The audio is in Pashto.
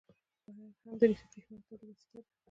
• باد هم د برېښنا د تولید وسیله ده.